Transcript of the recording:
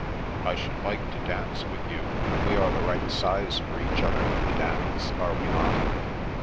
" I should like to dance with you. We are the right size for each other in the dance, are we not